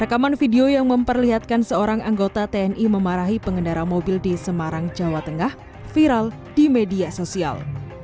rekaman video yang memperlihatkan seorang anggota tni memarahi pengendara mobil di semarang jawa tengah viral di media sosial